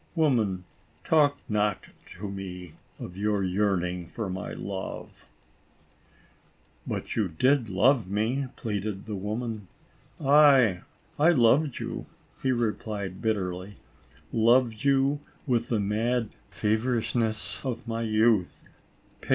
Woman, talk not to me of your yearning for my love." "But you did love me," pleaded the woman. "Aye, I loved you," he replied bitterly, "loved you with the mad feverishness of my youth, pic 34 ALICE; OR, THE WAGES OF SIN.